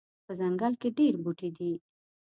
په ځنګل کې ډیر بوټي دي